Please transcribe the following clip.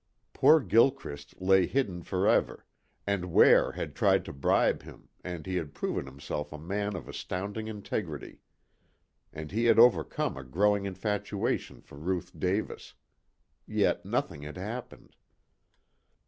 Poor Gilchrist lay hidden forever and Ware had tried to bribe him and he had proven himself a man of astounding integrity. And he had overcome a growing infatuation for Ruth Davis. Yet nothing had happened.